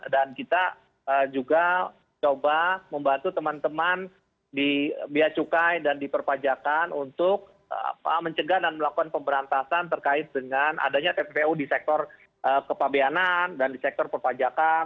kita juga coba membantu teman teman di biaya cukai dan di perpajakan untuk mencegah dan melakukan pemberantasan terkait dengan adanya tppu di sektor kepabeanan dan di sektor perpajakan